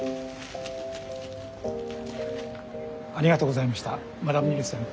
ありがとうございましたニールセンさん。